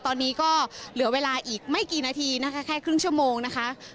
ตอนนี้ก็เหลือเวลาอีกไม่กี่นาทีนะคะแค่ครึ่งชั่วโมงนะคะ